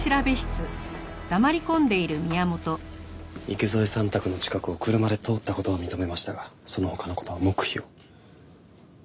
池添さん宅の近くを車で通った事は認めましたがその他の事は黙秘を。